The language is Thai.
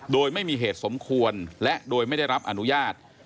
โดยไม่มีเหตุสมควรและโดยไม่ได้รับอนุญาต